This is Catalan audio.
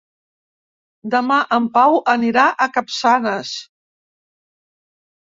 Demà en Pau anirà a Capçanes.